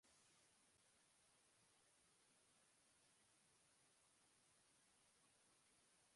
আলীবর্দীর পাশেই প্রিয় দৌহিত্র সিরাজের সমাধি।